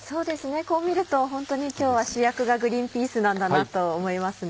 こう見ると本当に今日は主役がグリンピースなんだなと思いますね。